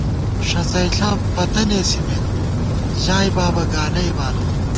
ݭڅئیݪہ پتہ نېسِمېت، ژائی بابہ گالئی بالہ